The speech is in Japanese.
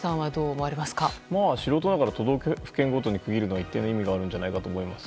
素人ながら都道府県ごとに区切るは一定の意味があるんじゃないかと思います。